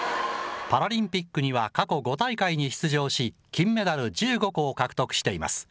パラリンピックには過去５大会に出場し、金メダル１５個を獲得しています。